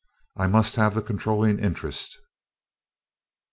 I must have the controlling interest."